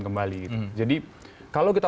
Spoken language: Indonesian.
kembali jadi kalau kita